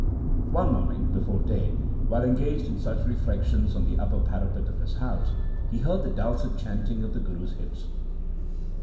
One morning before day, while engaged in such reflections on the upper parapet of his house, he heard the dulcet chanting of the Guru's hymns.